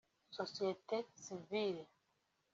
Sosiyete sivile